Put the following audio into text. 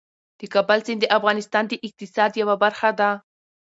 د کابل سیند د افغانستان د اقتصاد یوه برخه ده.